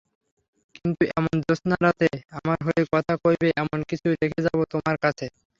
কিন্তু এমন জ্যোৎস্নারাত্রে আমার হয়ে কথা কইবে এমন কিছু রেখে যাব তোমার কাছে।